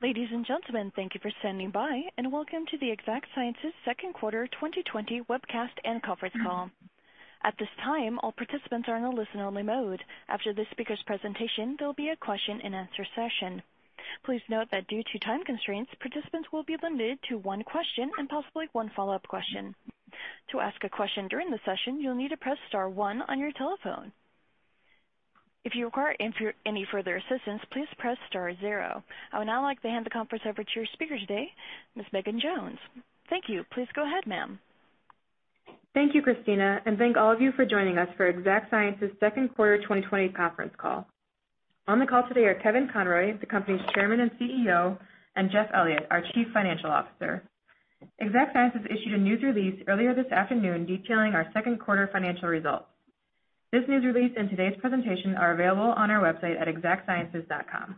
Ladies and gentlemen, thank you for standing by, and welcome to the Exact Sciences second quarter 2020 webcast and conference call. At this time, all participants are in a listen-only mode. After the speakers' presentation, there'll be a question-and-answer session. Please note that due to time constraints, participants will be limited to one question and possibly one follow-up question. To ask a question during the session, you'll need to press star one on your telephone. If you require any further assistance, please press star zero. I would now like to hand the conference over to your speaker today, Ms. Megan Jones. Thank you. Please go ahead, ma'am. Thank you, Christina. Thank all of you for joining us for Exact Sciences' second quarter 2020 conference call. On the call today are Kevin Conroy, the company's Chairman and CEO, and Jeff Elliott, our Chief Financial Officer. Exact Sciences issued a news release earlier this afternoon detailing our second quarter financial results. This news release and today's presentation are available on our website at exactsciences.com.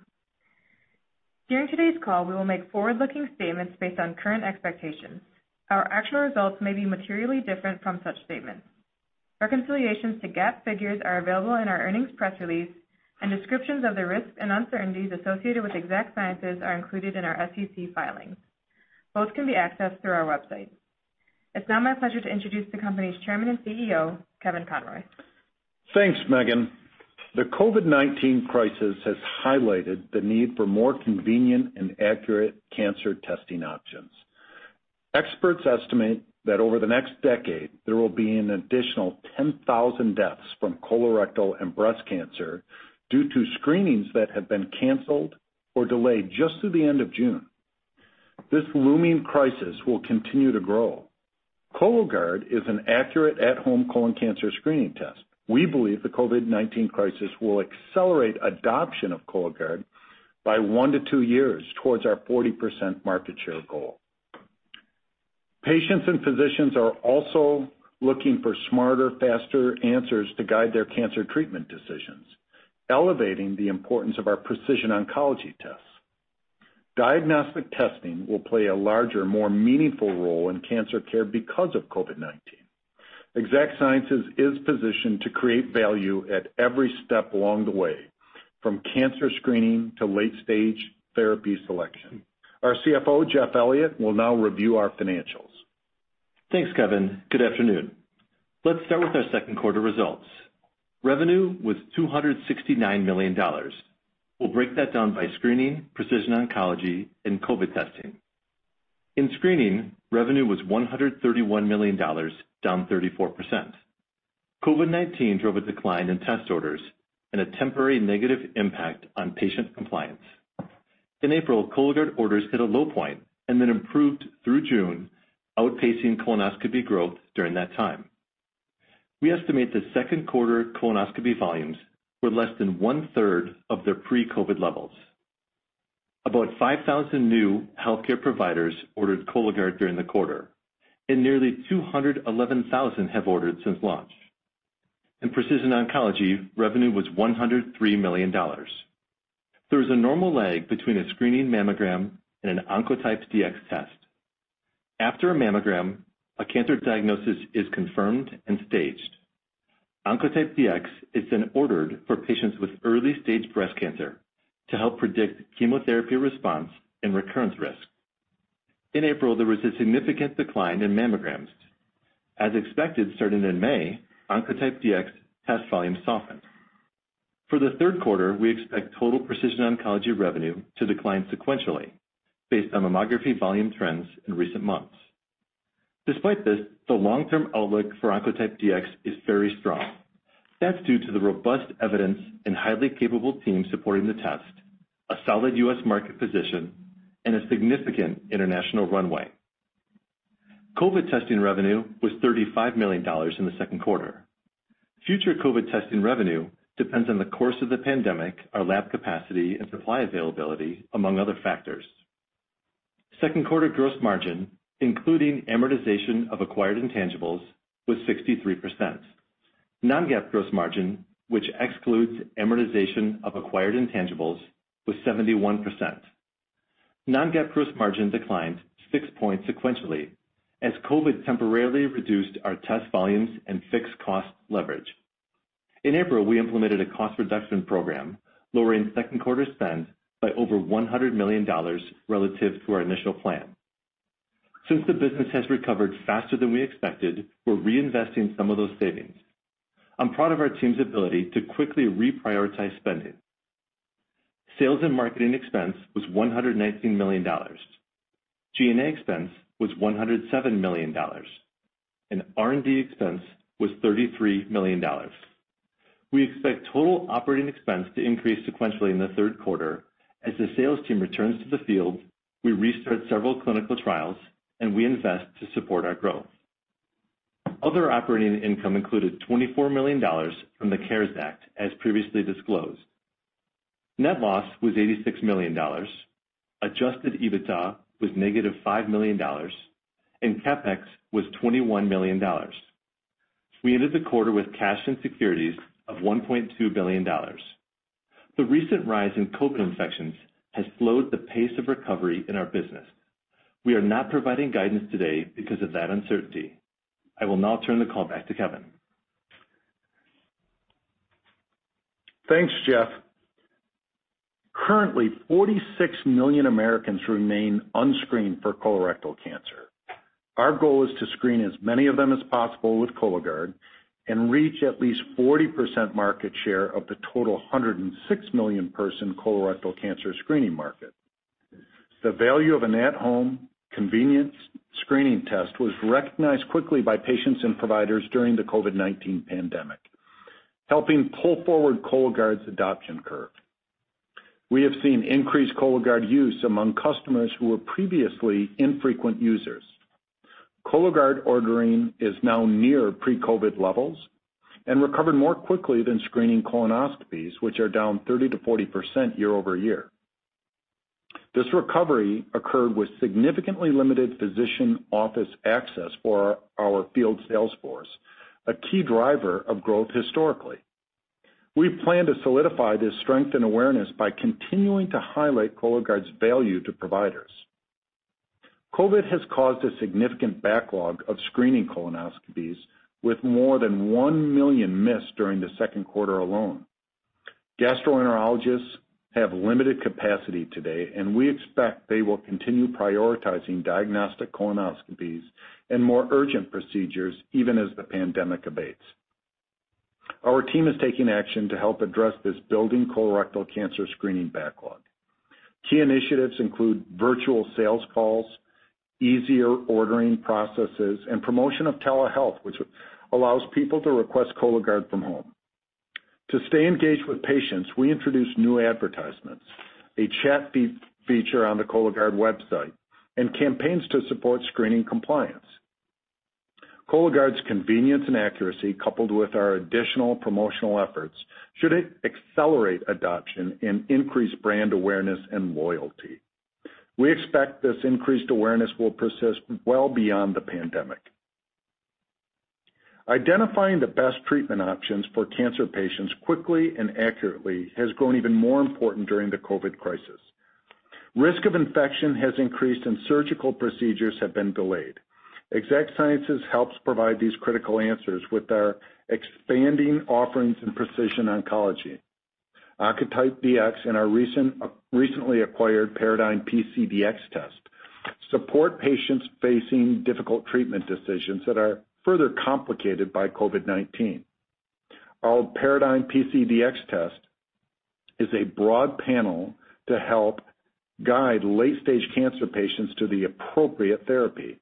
During today's call, we will make forward-looking statements based on current expectations. Our actual results may be materially different from such statements. Reconciliations to GAAP figures are available in our earnings press release, and descriptions of the risks and uncertainties associated with Exact Sciences are included in our SEC filings. Both can be accessed through our website. It's now my pleasure to introduce the company's Chairman and CEO, Kevin Conroy. Thanks, Megan. The COVID-19 crisis has highlighted the need for more convenient and accurate cancer testing options. Experts estimate that over the next decade, there will be an additional 10,000 deaths from colorectal and breast cancer due to screenings that have been canceled or delayed just through the end of June. This looming crisis will continue to grow. Cologuard is an accurate at-home colon cancer screening test. We believe the COVID-19 crisis will accelerate adoption of Cologuard by one to two years towards our 40% market share goal. Patients and physicians are also looking for smarter, faster answers to guide their cancer treatment decisions, elevating the importance of our precision oncology tests. Diagnostic testing will play a larger, more meaningful role in cancer care because of COVID-19. Exact Sciences is positioned to create value at every step along the way, from cancer screening to late-stage therapy selection. Our CFO, Jeff Elliott, will now review our financials. Thanks, Kevin. Good afternoon. Let's start with our second quarter results. Revenue was $269 million. We'll break that down by screening, precision oncology, and COVID testing. In screening, revenue was $131 million, down 34%. COVID-19 drove a decline in test orders and a temporary negative impact on patient compliance. In April, Cologuard orders hit a low point and then improved through June, outpacing colonoscopy growth during that time. We estimate that second quarter colonoscopy volumes were less than one-third of their pre-COVID levels. About 5,000 new healthcare providers ordered Cologuard during the quarter. Nearly 211,000 have ordered since launch. In precision oncology, revenue was $103 million. There is a normal lag between a screening mammogram and an Oncotype DX test. After a mammogram, a cancer diagnosis is confirmed and staged. Oncotype DX is then ordered for patients with early-stage breast cancer to help predict chemotherapy response and recurrence risk. In April, there was a significant decline in mammograms. As expected, starting in May, Oncotype DX test volume softened. For the third quarter, we expect total precision oncology revenue to decline sequentially based on mammography volume trends in recent months. Despite this, the long-term outlook for Oncotype DX is very strong. That's due to the robust evidence and highly capable team supporting the test, a solid U.S. market position, and a significant international runway. COVID testing revenue was $35 million in the second quarter. Future COVID testing revenue depends on the course of the pandemic, our lab capacity, and supply availability, among other factors. Second quarter gross margin, including amortization of acquired intangibles, was 63%. Non-GAAP gross margin, which excludes amortization of acquired intangibles, was 71%. Non-GAAP gross margin declined six points sequentially as COVID temporarily reduced our test volumes and fixed cost leverage. In April, we implemented a cost reduction program, lowering second quarter spend by over $100 million relative to our initial plan. Since the business has recovered faster than we expected, we're reinvesting some of those savings. I'm proud of our team's ability to quickly reprioritize spending. Sales and marketing expense was $119 million. G&A expense was $107 million, and R&D expense was $33 million. We expect total operating expense to increase sequentially in the third quarter as the sales team returns to the field, we restart several clinical trials, and we invest to support our growth. Other operating income included $24 million from the CARES Act, as previously disclosed. Net loss was $86 million. Adjusted EBITDA was -$5 million, and CapEx was $21 million. We ended the quarter with cash and securities of $1.2 billion. The recent rise in COVID infections has slowed the pace of recovery in our business. We are not providing guidance today because of that uncertainty. I will now turn the call back to Kevin. Thanks, Jeff. Currently, 46 million Americans remain unscreened for colorectal cancer. Our goal is to screen as many of them as possible with Cologuard and reach at least 40% market share of the total 106 million person colorectal cancer screening market. The value of an at-home convenience screening test was recognized quickly by patients and providers during the COVID-19 pandemic, helping pull forward Cologuard's adoption curve. We have seen increased Cologuard use among customers who were previously infrequent users. Cologuard ordering is now near pre-COVID levels and recovered more quickly than screening colonoscopies, which are down 30%-40% year-over-year. This recovery occurred with significantly limited physician office access for our field sales force, a key driver of growth historically. We plan to solidify this strength and awareness by continuing to highlight Cologuard's value to providers. COVID has caused a significant backlog of screening colonoscopies with more than 1 million missed during the second quarter alone. Gastroenterologists have limited capacity today. We expect they will continue prioritizing diagnostic colonoscopies and more urgent procedures even as the pandemic abates. Our team is taking action to help address this building colorectal cancer screening backlog. Key initiatives include virtual sales calls, easier ordering processes, and promotion of telehealth, which allows people to request Cologuard from home. To stay engaged with patients, we introduced new advertisements, a chat feature on the Cologuard website, and campaigns to support screening compliance. Cologuard's convenience and accuracy, coupled with our additional promotional efforts, should accelerate adoption and increase brand awareness and loyalty. We expect this increased awareness will persist well beyond the pandemic. Identifying the best treatment options for cancer patients quickly and accurately has grown even more important during the COVID crisis. Risk of infection has increased and surgical procedures have been delayed. Exact Sciences helps provide these critical answers with our expanding offerings in precision oncology. Oncotype DX and our recently acquired Paradigm PCDx test support patients facing difficult treatment decisions that are further complicated by COVID-19. Our Paradigm PCDx test is a broad panel to help guide late-stage cancer patients to the appropriate therapy.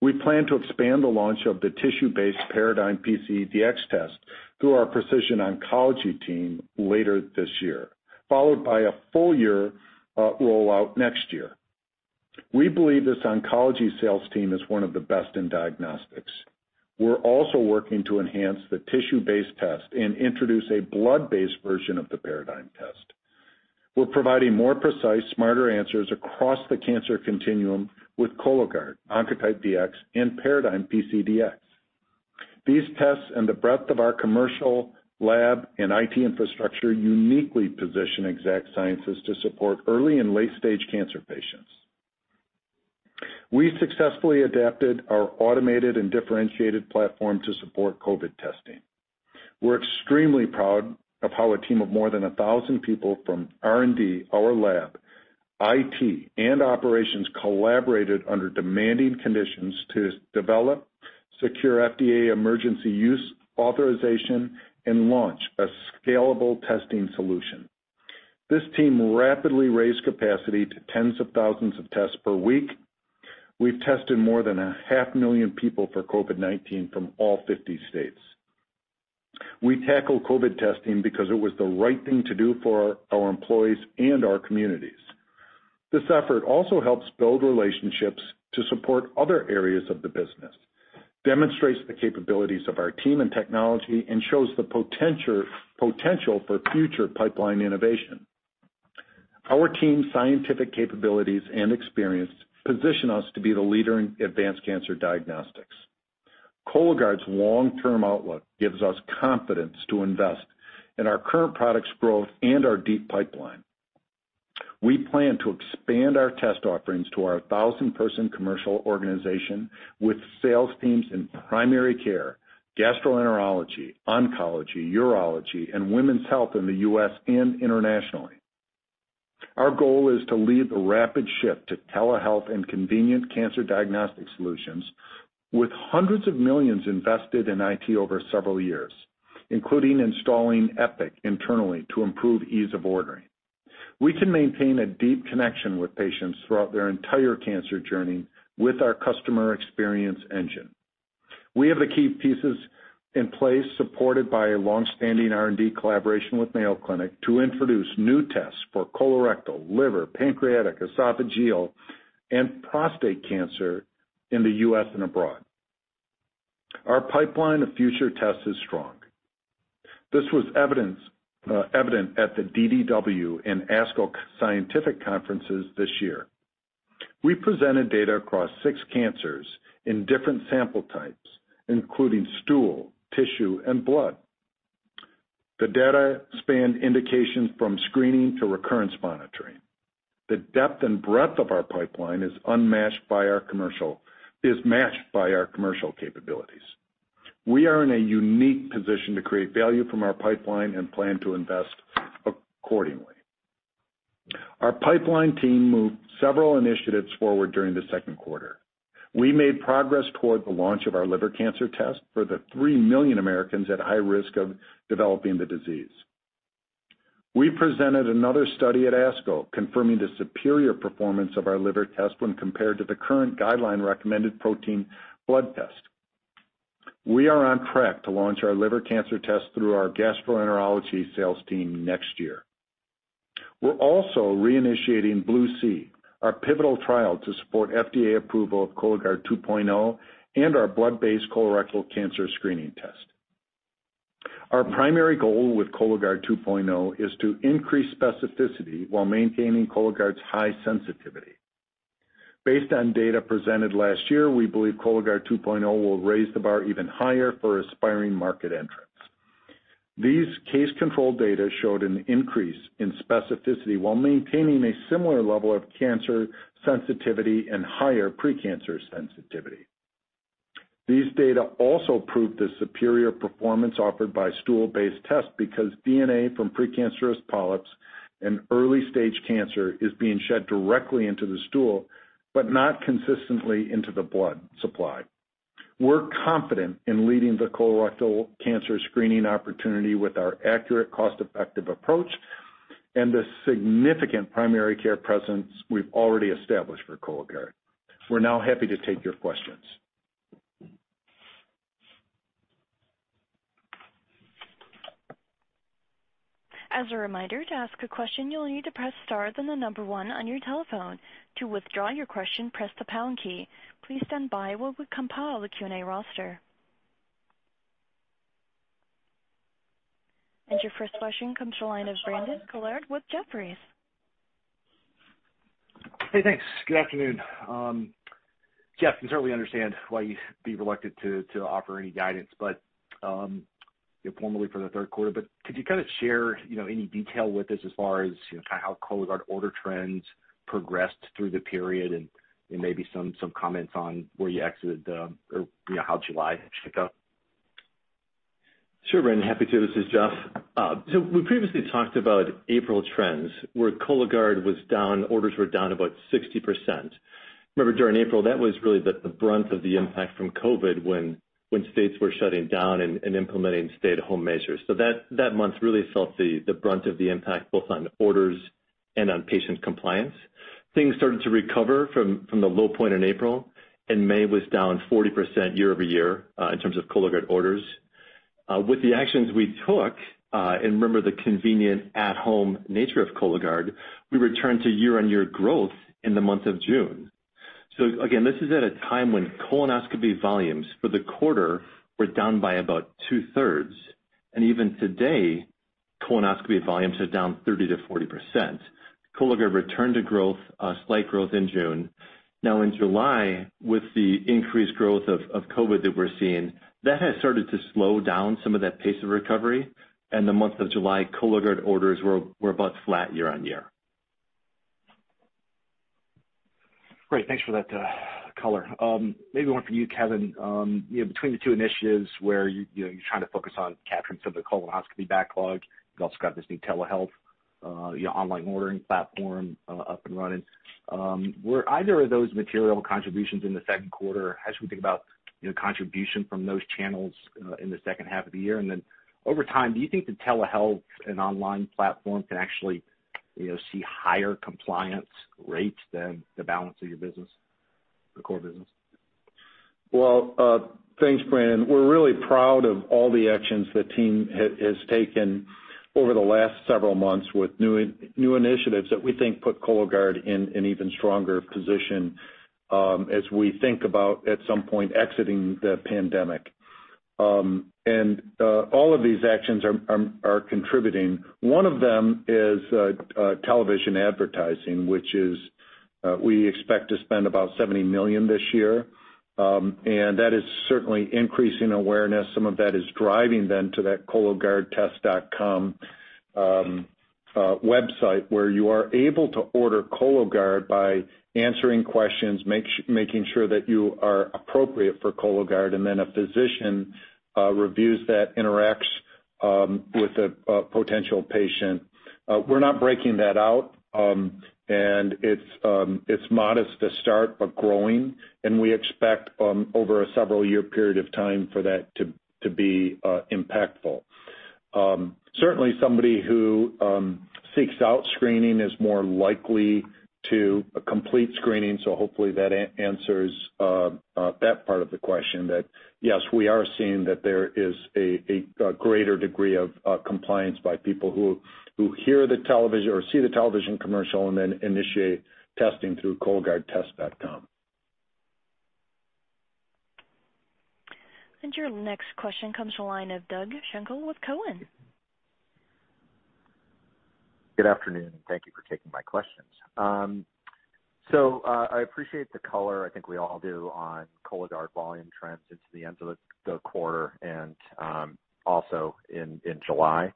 We plan to expand the launch of the tissue-based Paradigm PCDx test through our precision oncology team later this year, followed by a full year rollout next year. We believe this oncology sales team is one of the best in diagnostics. We're also working to enhance the tissue-based test and introduce a blood-based version of the Paradigm test. We're providing more precise, smarter answers across the cancer continuum with Cologuard, Oncotype DX and Paradigm PCDx. These tests and the breadth of our commercial lab and IT infrastructure uniquely position Exact Sciences to support early and late-stage cancer patients. We successfully adapted our automated and differentiated platform to support COVID testing. We're extremely proud of how a team of more than 1,000 people from R&D, our lab, IT, and operations collaborated under demanding conditions to develop secure FDA Emergency Use Authorization and launch a scalable testing solution. This team rapidly raised capacity to tens of thousands of tests per week. We've tested more than 500,000 people for COVID-19 from all 50 states. We tackled COVID testing because it was the right thing to do for our employees and our communities. This effort also helps build relationships to support other areas of the business, demonstrates the capabilities of our team and technology, and shows the potential for future pipeline innovation. Our team's scientific capabilities and experience position us to be the leader in advanced cancer diagnostics. Cologuard's long-term outlook gives us confidence to invest in our current product's growth and our deep pipeline. We plan to expand our test offerings to our 1,000-person commercial organization with sales teams in primary care, gastroenterology, oncology, urology, and women's health in the U.S. and internationally. Our goal is to lead the rapid shift to telehealth and convenient cancer diagnostic solutions with hundreds of millions dollar invested in IT over several years, including installing Epic internally to improve ease of ordering. We can maintain a deep connection with patients throughout their entire cancer journey with our customer experience engine. We have the key pieces in place supported by a long-standing R&D collaboration with Mayo Clinic to introduce new tests for colorectal, liver, pancreatic, esophageal, and prostate cancer in the U.S. and abroad. Our pipeline of future tests is strong. This was evident at the DDW and ASCO scientific conferences this year. We presented data across six cancers in different sample types, including stool, tissue, and blood. The data spanned indications from screening to recurrence monitoring. The depth and breadth of our pipeline is matched by our commercial capabilities. We are in a unique position to create value from our pipeline and plan to invest accordingly. Our pipeline team moved several initiatives forward during the second quarter. We made progress toward the launch of our liver cancer test for the 3 million Americans at high risk of developing the disease. We presented another study at ASCO confirming the superior performance of our liver test when compared to the current guideline recommended protein blood test. We are on track to launch our liver cancer test through our gastroenterology sales team next year. We're also reinitiating BLUE-C, our pivotal trial to support FDA approval of Cologuard 2.0 and our blood-based colorectal cancer screening test. Our primary goal with Cologuard 2.0 is to increase specificity while maintaining Cologuard's high sensitivity. Based on data presented last year, we believe Cologuard 2.0 will raise the bar even higher for aspiring market entrants. These case-controlled data showed an increase in specificity while maintaining a similar level of cancer sensitivity and higher precancer sensitivity. These data also proved the superior performance offered by stool-based tests because DNA from precancerous polyps and early-stage cancer is being shed directly into the stool, but not consistently into the blood supply. We're confident in leading the colorectal cancer screening opportunity with our accurate, cost-effective approach and the significant primary care presence we've already established for Cologuard. We're now happy to take your questions. As a reminder, to ask a question, you'll need to press star, then the number one on your telephone. To withdraw your question, press the pound key. Please stand by while we compile the Q&A roster. Your first question comes from the line of Brandon Couillard with Jefferies. Hey, thanks. Good afternoon. Jeff, can certainly understand why you'd be reluctant to offer any guidance formally for the third quarter. Could you share any detail with us as far as how Cologuard order trends progressed through the period and maybe some comments on where you exited or how July shook out? Sure, Brandon, happy to. This is Jeff. We previously talked about April trends where Cologuard was down, orders were down about 60%. Remember, during April, that was really the brunt of the impact from COVID when states were shutting down and implementing stay-at-home measures. That month really felt the brunt of the impact, both on orders and on patient compliance. Things started to recover from the low point in April, May was down 40% year-over-year in terms of Cologuard orders. With the actions we took, remember the convenient at-home nature of Cologuard, we returned to year-on-year growth in the month of June. Again, this is at a time when colonoscopy volumes for the quarter were down by about two-thirds. Even today, colonoscopy volumes are down 30%-40%. Cologuard returned to growth, slight growth in June. In July, with the increased growth of COVID that we're seeing, that has started to slow down some of that pace of recovery. In the month of July, Cologuard orders were about flat year-on-year. Great. Thanks for that color. Maybe one for you, Kevin. Between the two initiatives where you're trying to focus on capturing some of the colonoscopy backlog, you've also got this new telehealth online ordering platform up and running. Were either of those material contributions in the second quarter? How should we think about contribution from those channels in the second half of the year? Over time, do you think the telehealth and online platform can actually see higher compliance rates than the balance of your business, the core business? Well, thanks, Brandon. We're really proud of all the actions the team has taken over the last several months with new initiatives that we think put Cologuard in an even stronger position as we think about, at some point, exiting the pandemic. All of these actions are contributing. One of them is television advertising, which we expect to spend about $70 million this year. That is certainly increasing awareness. Some of that is driving them to that cologuardtest.com website where you are able to order Cologuard by answering questions, making sure that you are appropriate for Cologuard, and then a physician reviews that interaction with a potential patient. We're not breaking that out. It's modest to start, but growing. We expect over a several year period of time for that to be impactful. Certainly, somebody who seeks out screening is more likely to complete screening. Hopefully, that answers that part of the question that, yes, we are seeing that there is a greater degree of compliance by people who hear the television or see the television commercial and then initiate testing through Cologuardtest.com. Your next question comes from the line of Doug Schenkel with Cowen. Good afternoon. Thank you for taking my questions. I appreciate the color, I think we all do, on Cologuard volume trends into the end of the quarter and also in July.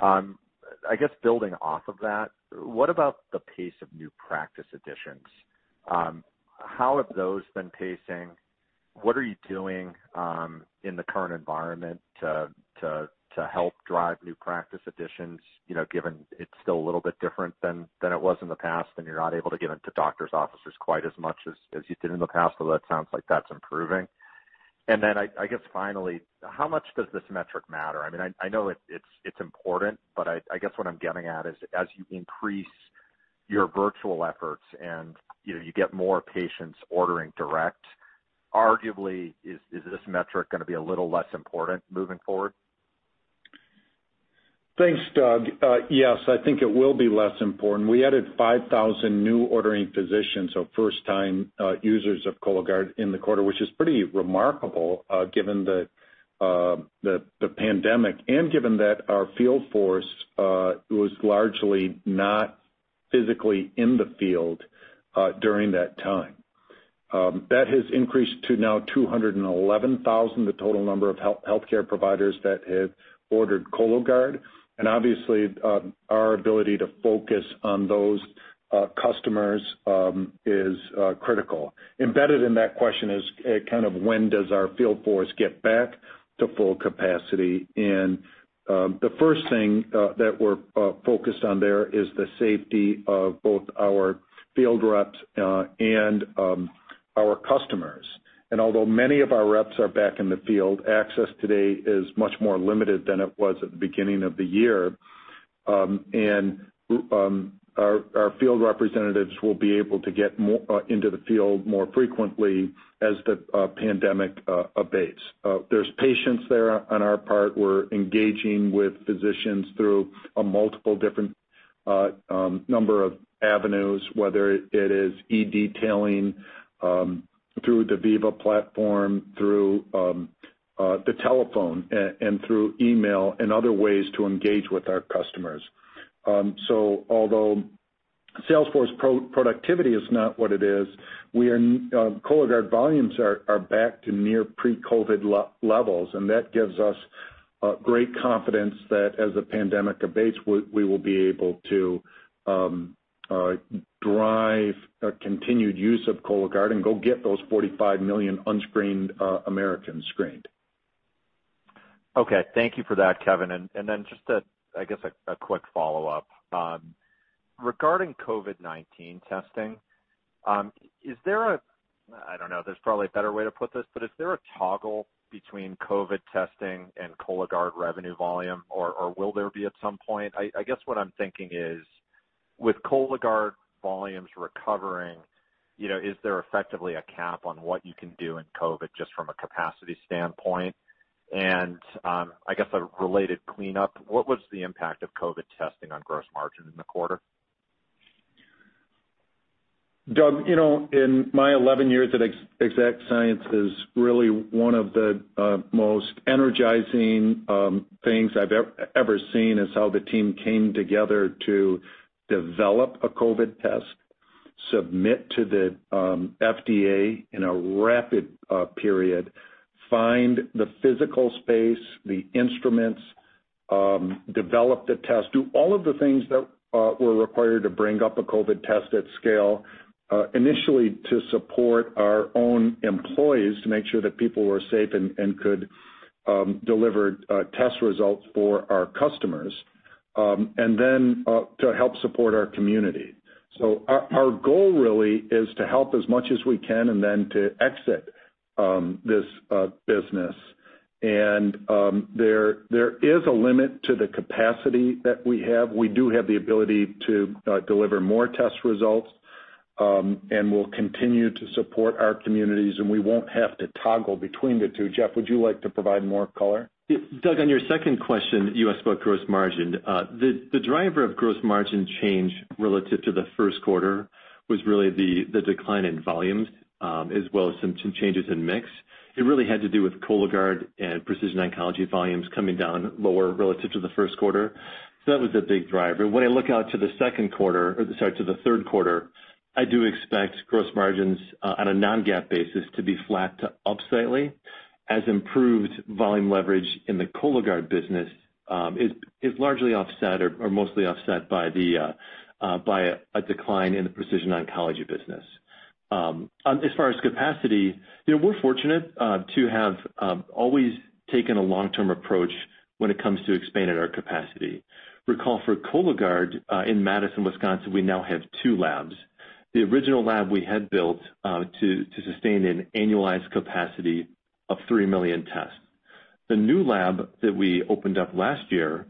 I guess building off of that, what about the pace of new practice additions? How have those been pacing? What are you doing in the current environment to help drive new practice additions, given it's still a little bit different than it was in the past, and you're not able to get into doctors' offices quite as much as you did in the past, although it sounds like that's improving. I guess finally, how much does this metric matter? I know it's important, but I guess what I'm getting at is as you increase your virtual efforts and you get more patients ordering direct, arguably is this metric going to be a little less important moving forward? Thanks, Doug. I think it will be less important. We added 5,000 new ordering physicians, so first-time users of Cologuard in the quarter, which is pretty remarkable given the pandemic and given that our field force was largely not physically in the field during that time. That has increased to now 211,000, the total number of healthcare providers that have ordered Cologuard. Obviously our ability to focus on those customers is critical. Embedded in that question is kind of when does our field force get back to full capacity. The first thing that we're focused on there is the safety of both our field reps and our customers. Although many of our reps are back in the field, access today is much more limited than it was at the beginning of the year. Our field representatives will be able to get into the field more frequently as the pandemic abates. There's patience there on our part. We're engaging with physicians through a multiple different number of avenues, whether it is e-detailing through the Veeva platform, through the telephone, and through email and other ways to engage with our customers. Although sales force productivity is not what it is, Cologuard volumes are back to near pre-COVID levels, and that gives us great confidence that as the pandemic abates, we will be able to drive a continued use of Cologuard and go get those 45 million unscreened Americans screened. Okay. Thank you for that, Kevin. Just, I guess, a quick follow-up. Regarding COVID-19 testing, is there a toggle between COVID testing and Cologuard revenue volume, or will there be at some point? I guess what I'm thinking is with Cologuard volumes recovering, is there effectively a cap on what you can do in COVID just from a capacity standpoint? I guess a related cleanup, what was the impact of COVID testing on gross margin in the quarter? Doug, in my 11 years at Exact Sciences, really one of the most energizing things I've ever seen is how the team came together to develop a COVID test, submit to the FDA in a rapid period, find the physical space, the instruments, develop the test, do all of the things that were required to bring up a COVID test at scale initially to support our own employees to make sure that people were safe and could deliver test results for our customers, and then to help support our community. Our goal really is to help as much as we can and then to exit this business. There is a limit to the capacity that we have. We do have the ability to deliver more test results, and we'll continue to support our communities, and we won't have to toggle between the two. Jeff, would you like to provide more color? Doug, on your second question, you asked about gross margin. The driver of gross margin change relative to the first quarter was really the decline in volumes, as well as some changes in mix. It really had to do with Cologuard and precision oncology volumes coming down lower relative to the first quarter. That was a big driver. When I look out to the second quarter, or sorry, to the third quarter, I do expect gross margins on a non-GAAP basis to be flat to up slightly as improved volume leverage in the Cologuard business is largely offset or mostly offset by a decline in the precision oncology business. As far as capacity, we're fortunate to have always taken a long-term approach when it comes to expanding our capacity. Recall for Cologuard in Madison, Wisconsin, we now have two labs. The original lab we had built to sustain an annualized capacity of 3 million tests. The new lab that we opened up last year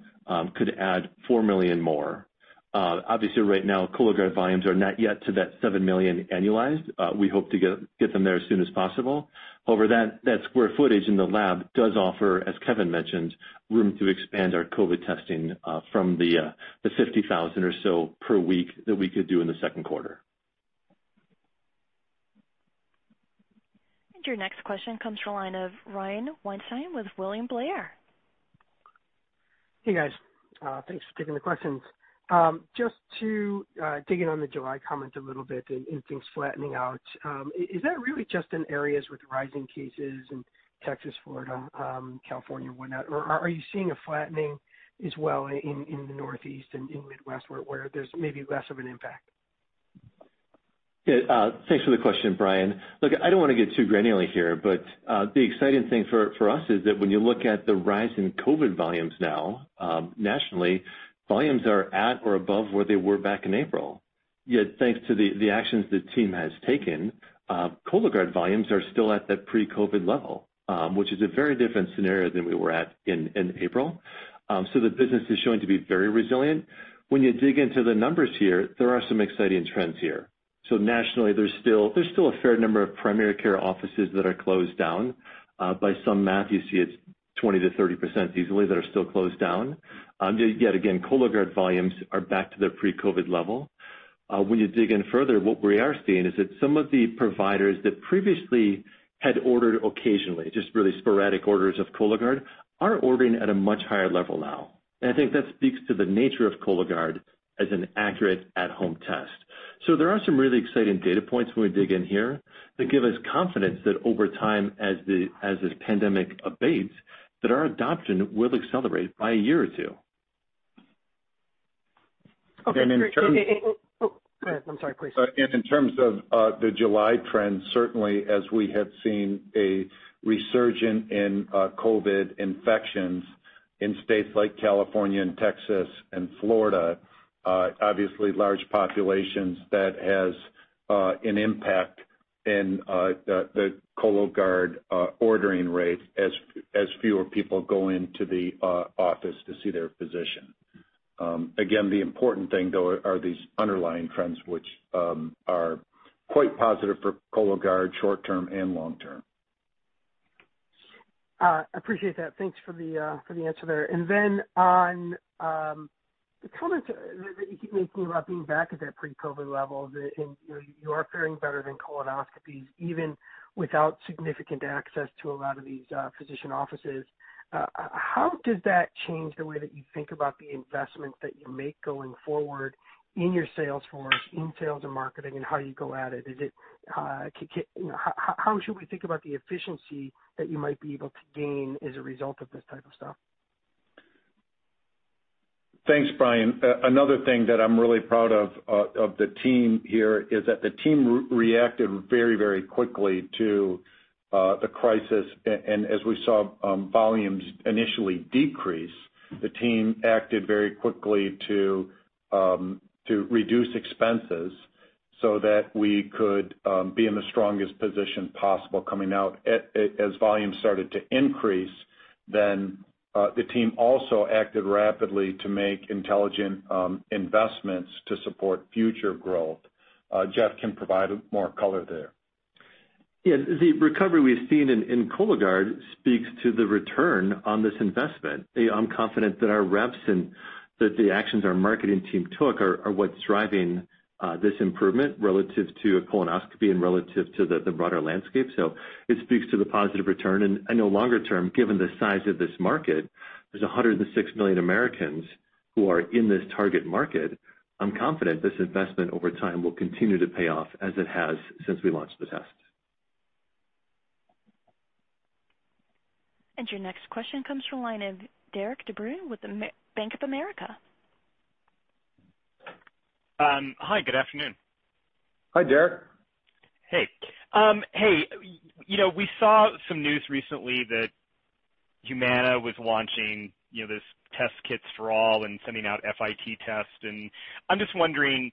could add 4 million more. Obviously right now, Cologuard volumes are not yet to that 7 million annualized. We hope to get them there as soon as possible. However, that square footage in the lab does offer, as Kevin mentioned, room to expand our COVID testing from the 50,000 or so per week that we could do in the second quarter. Your next question comes from the line of Brian Weinstein with William Blair. Hey, guys. Thanks for taking the questions. Just to dig in on the July comment a little bit and things flattening out, is that really just in areas with rising cases in Texas, Florida, California, whatnot, or are you seeing a flattening as well in the Northeast and in Midwest where there's maybe less of an impact? Yeah, thanks for the question, Brian. Look, I don't want to get too granular here, but the exciting thing for us is that when you look at the rise in COVID volumes now, nationally, volumes are at or above where they were back in April. Thanks to the actions the team has taken, Cologuard volumes are still at that pre-COVID level, which is a very different scenario than we were at in April. The business is showing to be very resilient. When you dig into the numbers here, there are some exciting trends here. Nationally, there's still a fair number of primary care offices that are closed down. By some math, you see it's 20%-30% easily that are still closed down. Again, Cologuard volumes are back to their pre-COVID level. When you dig in further, what we are seeing is that some of the providers that previously had ordered occasionally, just really sporadic orders of Cologuard, are ordering at a much higher level now. I think that speaks to the nature of Cologuard as an accurate at-home test. There are some really exciting data points when we dig in here that give us confidence that over time, as this pandemic abates, that our adoption will accelerate by a year or two. Okay, great. Oh, go ahead. I'm sorry. Please. In terms of the July trends, certainly as we have seen a resurgence in COVID infections in states like California and Texas and Florida, obviously large populations, that has an impact in the Cologuard ordering rate as fewer people go into the office to see their physician. Again, the important thing, though, are these underlying trends, which are quite positive for Cologuard short-term and long-term. I appreciate that. Thanks for the answer there. On the comments that you keep making about being back at that pre-COVID level and you are faring better than colonoscopies even without significant access to a lot of these physician offices, how does that change the way that you think about the investments that you make going forward in your sales force, in sales and marketing, and how you go at it? How should we think about the efficiency that you might be able to gain as a result of this type of stuff? Thanks, Brian. Another thing that I'm really proud of the team here is that the team reacted very quickly to the crisis. As we saw volumes initially decrease, the team acted very quickly to reduce expenses so that we could be in the strongest position possible coming out. As volumes started to increase, the team also acted rapidly to make intelligent investments to support future growth. Jeff can provide more color there. Yeah. The recovery we've seen in Cologuard speaks to the return on this investment. I'm confident that our reps and that the actions our marketing team took are what's driving this improvement relative to a colonoscopy and relative to the broader landscape. It speaks to the positive return. I know longer term, given the size of this market, there's 106 million Americans who are in this target market. I'm confident this investment over time will continue to pay off as it has since we launched the test. Your next question comes from the line of Derik De Bruin with Bank of America. Hi, good afternoon. Hi, Derik. Hey. We saw some news recently that Humana was launching this test kits for all and sending out FIT test, and I'm just wondering,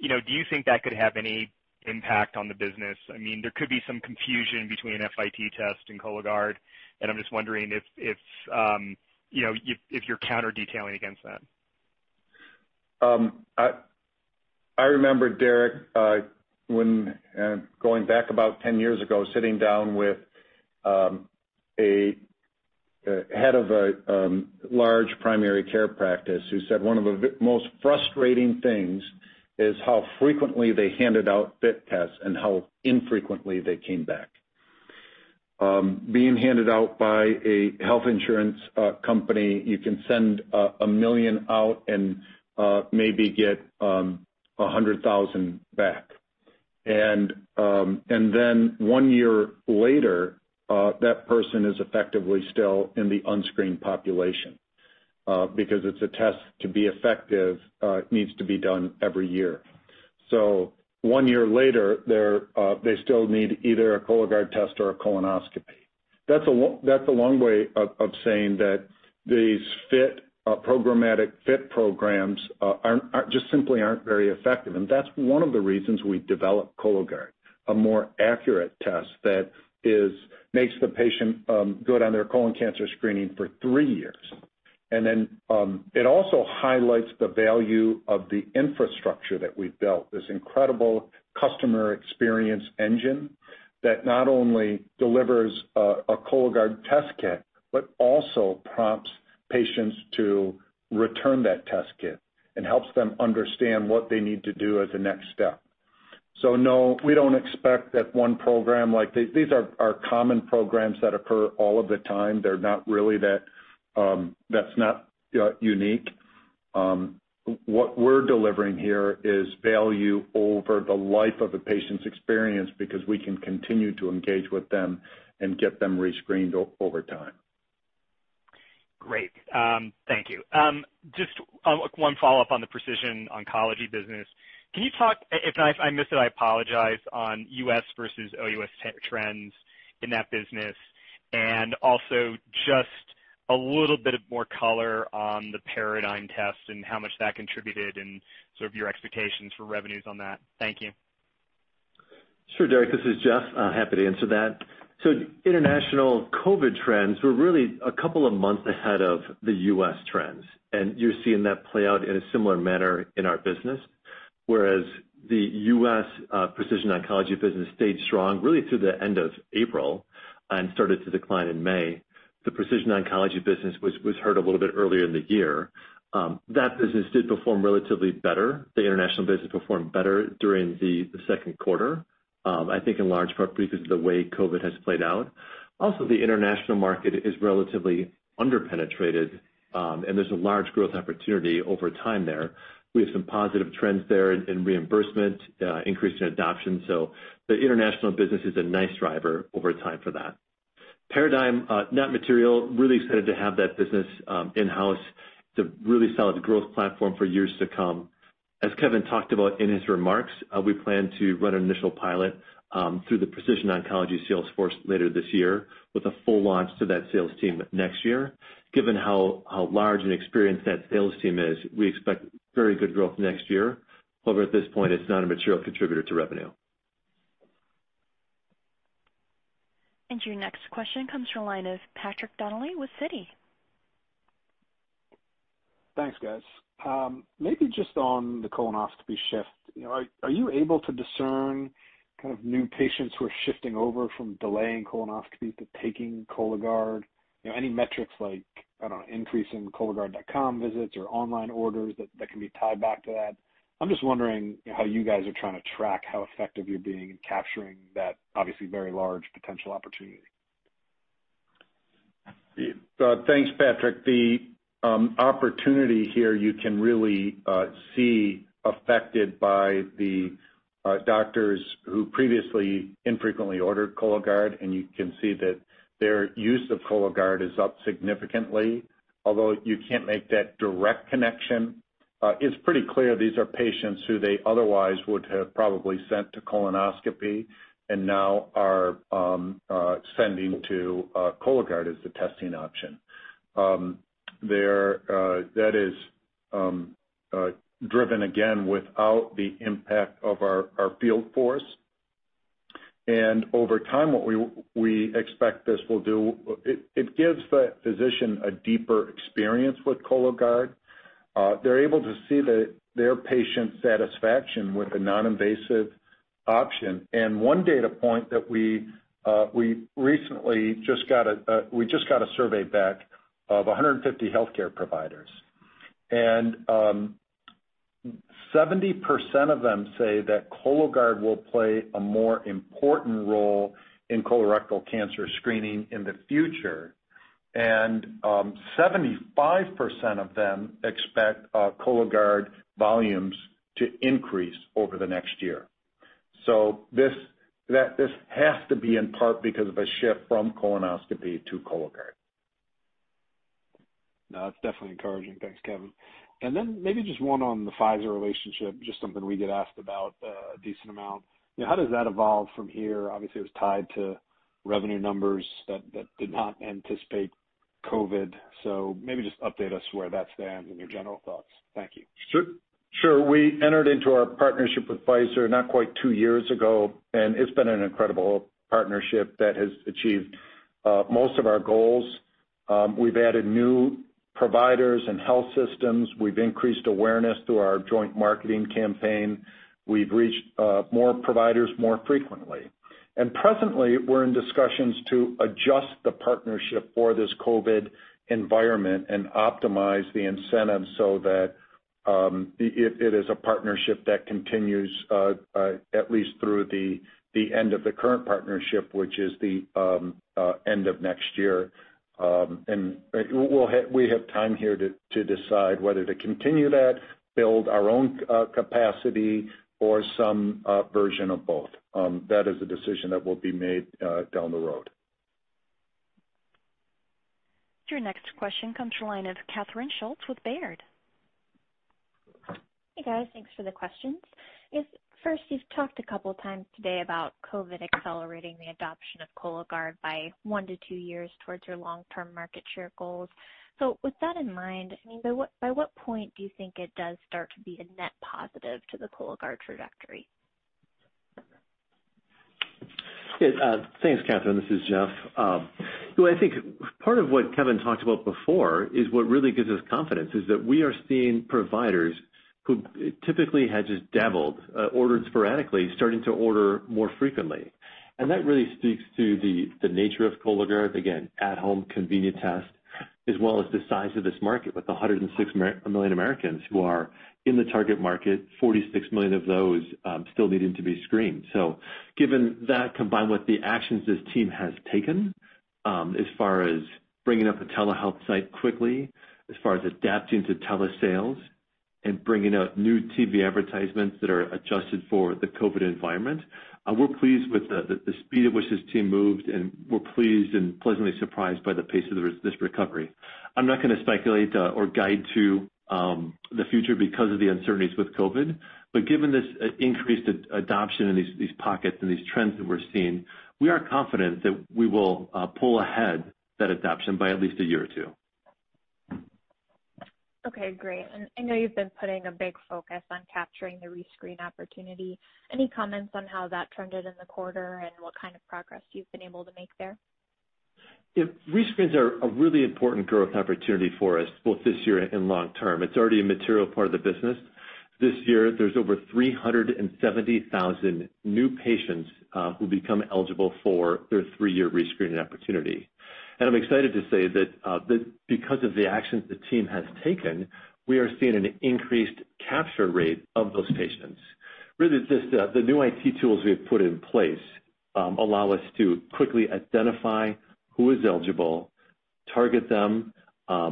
do you think that could have any impact on the business? There could be some confusion between a FIT test and Cologuard, and I'm just wondering if you're counter-detailing against that. I remember, Derik, going back about 10 years ago, sitting down with a head of a large primary care practice who said one of the most frustrating things is how frequently they handed out FIT tests and how infrequently they came back. Being handed out by a health insurance company, you can send 1 million out and maybe get 100,000 back. One year later, that person is effectively still in the unscreened population because it's a test, to be effective, needs to be done every year. One year later, they still need either a Cologuard test or a colonoscopy. That's a long way of saying that these programmatic FIT programs just simply aren't very effective. That's one of the reasons we developed Cologuard, a more accurate test that makes the patient go down their colon cancer screening for three years. It also highlights the value of the infrastructure that we've built, this incredible customer experience engine that not only delivers a Cologuard test kit, but also prompts patients to return that test kit and helps them understand what they need to do as a next step. No, we don't expect that one program. These are common programs that occur all of the time. That's not unique. What we're delivering here is value over the life of a patient's experience because we can continue to engage with them and get them re-screened over time. Great. Thank you. Just one follow-up on the precision oncology business. Can you talk, if I missed it, I apologize, on U.S. versus OUS trends in that business, and also just a little bit more color on the Paradigm test and how much that contributed and sort of your expectations for revenues on that. Thank you. Sure, Derik. This is Jeff. Happy to answer that. International COVID trends were really a couple of months ahead of the U.S. trends, and you're seeing that play out in a similar manner in our business. Whereas the U.S. precision oncology business stayed strong really through the end of April and started to decline in May. The precision oncology business was hurt a little bit earlier in the year. That business did perform relatively better. The international business performed better during the second quarter. I think in large part because of the way COVID has played out. Also, the international market is relatively under-penetrated, and there's a large growth opportunity over time there. We have some positive trends there in reimbursement, increase in adoption. The international business is a nice driver over time for that. Paradigm, not material. Really excited to have that business in-house. It's a really solid growth platform for years to come. As Kevin talked about in his remarks, we plan to run an initial pilot through the precision oncology sales force later this year with a full launch to that sales team next year. Given how large and experienced that sales team is, we expect very good growth next year. At this point, it's not a material contributor to revenue. Your next question comes from the line of Patrick Donnelly with Citi. Thanks, guys. Maybe just on the colonoscopy shift. Are you able to discern kind of new patients who are shifting over from delaying colonoscopy to taking Cologuard? Any metrics like, I don't know, increase in cologuard.com visits or online orders that can be tied back to that? I'm just wondering how you guys are trying to track how effective you're being in capturing that obviously very large potential opportunity. Thanks, Patrick. The opportunity here you can really see affected by the doctors who previously infrequently ordered Cologuard, and you can see that their use of Cologuard is up significantly. You can't make that direct connection, it's pretty clear these are patients who they otherwise would have probably sent to colonoscopy and now are sending to Cologuard as the testing option. That is driven again without the impact of our field force. Over time, what we expect this will do, it gives the physician a deeper experience with Cologuard. They're able to see their patient satisfaction with the non-invasive option. One data point that we recently just got a survey back of 150 healthcare providers, and 70% of them say that Cologuard will play a more important role in colorectal cancer screening in the future. 75% of them expect Cologuard volumes to increase over the next year. This has to be in part because of a shift from colonoscopy to Cologuard. No, that's definitely encouraging. Thanks, Kevin. Maybe just one on the Pfizer relationship, just something we get asked about a decent amount. How does that evolve from here? Obviously, it was tied to revenue numbers that did not anticipate COVID. Maybe just update us where that stands and your general thoughts. Thank you. Sure. We entered into our partnership with Pfizer not quite two years ago. It's been an incredible partnership that has achieved most of our goals. We've added new providers and health systems. We've increased awareness through our joint marketing campaign. We've reached more providers more frequently. Presently, we're in discussions to adjust the partnership for this COVID environment and optimize the incentives so that it is a partnership that continues at least through the end of the current partnership, which is the end of next year. We have time here to decide whether to continue that, build our own capacity or some version of both. That is a decision that will be made down the road. Your next question comes from the line of Catherine Schulte with Baird. Hey, guys. Thanks for the questions. First, you've talked a couple times today about COVID accelerating the adoption of Cologuard by one to two years towards your long-term market share goals. With that in mind, by what point do you think it does start to be a net positive to the Cologuard trajectory? Thanks, Catherine. This is Jeff. I think part of what Kevin talked about before is what really gives us confidence is that we are seeing providers who typically had just dabbled, ordered sporadically, starting to order more frequently. That really speaks to the nature of Cologuard, again, at home, convenient test. As well as the size of this market, with 106 million Americans who are in the target market, 46 million of those still needing to be screened. Given that, combined with the actions this team has taken as far as bringing up a telehealth site quickly, as far as adapting to telesales and bringing out new TV advertisements that are adjusted for the COVID environment, we're pleased with the speed at which this team moved, and we're pleased and pleasantly surprised by the pace of this recovery. I'm not going to speculate or guide to the future because of the uncertainties with COVID-19, but given this increased adoption in these pockets and these trends that we're seeing, we are confident that we will pull ahead that adoption by at least a year or two. Okay, great. I know you've been putting a big focus on capturing the rescreen opportunity. Any comments on how that trended in the quarter and what kind of progress you've been able to make there? Rescreens are a really important growth opportunity for us, both this year and long term. It's already a material part of the business. This year, there's over 370,000 new patients who become eligible for their three-year rescreening opportunity. I'm excited to say that because of the actions the team has taken, we are seeing an increased capture rate of those patients. Really, it's just the new IT tools we have put in place allow us to quickly identify who is eligible, target them